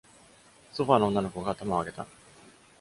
ソファーの女の子が頭を上げた。